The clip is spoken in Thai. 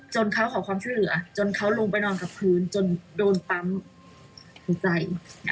เขาขอความช่วยเหลือจนเขาลงไปนอนกับพื้นจนโดนปั๊มหัวใจ